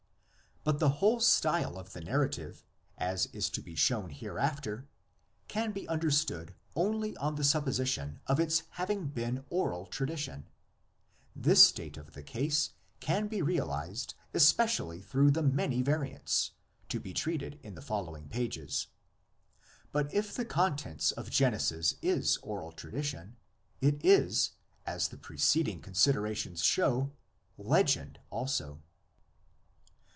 But the whole style of the narrative, as is to be shown hereafter, can be understood only on the sup position of its having been oral tradition; this state of the case can be realised especially through the many variants, to be treated in the following pages. But if the contents of Genesis is oral tradition, it is, as the preceding considerations show, legend also.